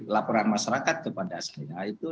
laporan masyarakat kepada saya itu